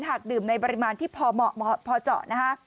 หากดื่มในปริมาณที่พอเหมาะพอเจาะนะฮะ